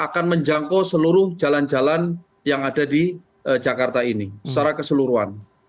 dan akan menjangkau seluruh jalan jalan yang ada di jakarta ini secara keseluruhan